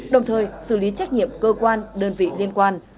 đồng thời xử lý trách nhiệm cơ quan đơn vị liên quan